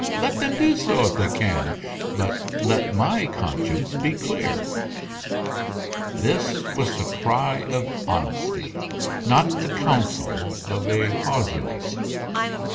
Let them do so if they can; but let my conscience be clear." This was the cry of honesty; not the counsel of a casuist.